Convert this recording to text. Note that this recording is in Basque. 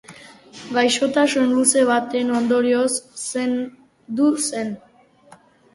Gaixotasun luze baten ondorioz zendu zen.